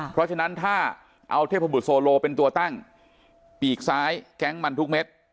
เพราะฉะนั้นถ้าเอาเทพบุตรโซโลเป็นตัวตั้งปีกซ้ายแก๊งมันทุกเม็ด